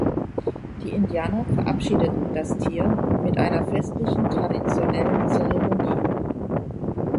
Die Indianer verabschiedeten das Tier mit einer festlichen traditionellen Zeremonie.